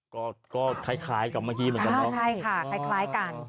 ก็คล้ายคล้ายกับเมื่อกี้เหมือนกันครับใช่ค่ะคล้ายคล้ายกัน